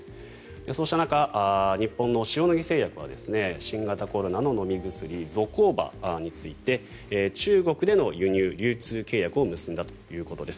そうした中、日本の塩野義製薬は新型コロナの飲み薬ゾコーバについて中国での輸入・流通契約を結んだということです。